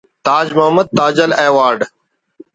تاج محمد Tajal ایوارڈ